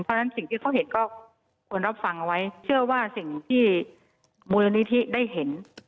เพราะฉะนั้นสิ่งที่เขาเห็นก็ควรรับฟังเอาไว้เชื่อว่าสิ่งที่มูลนิธิได้เห็น